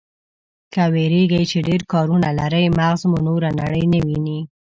که وېرېږئ چې ډېر کارونه لرئ، مغز مو نوره نړۍ نه ويني.